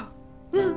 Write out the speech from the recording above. うん。